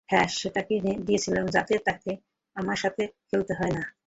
হ্যাঁ, সেটা কিনে দিয়েছিল যাতে তাকে আমার সাথে খেলতে না হয়।